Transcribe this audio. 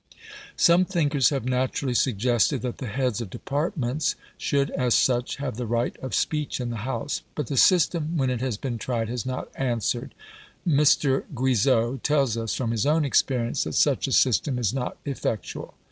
Some thinkers have naturally suggested that the heads of departments should as such have the right of speech in the House. But the system when it has been tried has not answered. M. Guizot tells us from his own experience that such a system is not effectual.